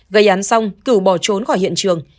gây án xong cửu bỏ trốn khỏi hiện trường